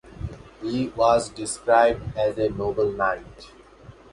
He was described as a "noble knight".